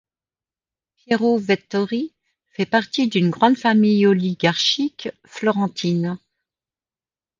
Piero Vettori fait partie d'une grande famille oligarchique florentine.